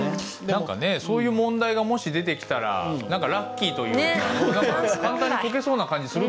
何かねそういう問題がもし出てきたらラッキーというか簡単に解けそうな感じするけどね。